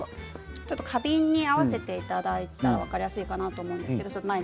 花瓶に合わせていただいたら分かりやすいかなと思います。